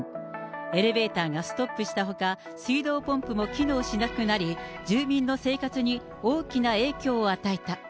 エレベーターがストップしたほか、水道ポンプも機能しなくなり、住民の生活に大きな影響を与えた。